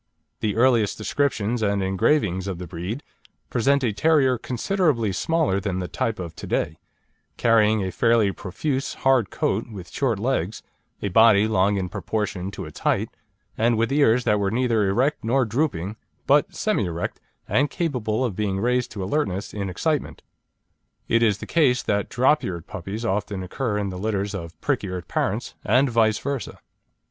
The earliest descriptions and engravings of the breed present a terrier considerably smaller than the type of to day, carrying a fairly profuse, hard coat, with short legs, a body long in proportion to its height, and with ears that were neither erect nor drooping, but semi erect and capable of being raised to alertness in excitement. It is the case that drop eared puppies often occur in the litters of prick eared parents, and vice versa.